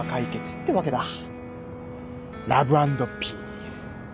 ラブ＆ピース。